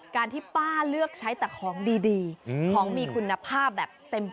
การที่ป้าเลือกใช้แต่ของดีของมีคุณภาพแบบเต็ม